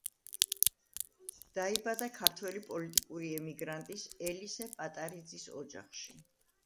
დაიბადა ქართველი პოლიტიკური ემიგრანტის, ელისე პატარიძის ოჯახში.